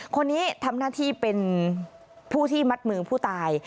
คนนี้ทำหน้าที่เป็นผู้ที่มัดมือผู้ตาย